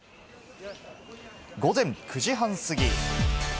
午前９時半過ぎ。